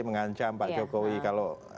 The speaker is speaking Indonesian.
mengancam pak jokowi kalau